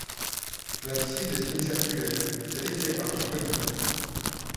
L'abside est semi-circulaire, elle est éclairée par trois fenêtres.